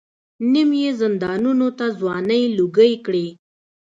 نیم یې زندانونو ته ځوانۍ لوګۍ کړې.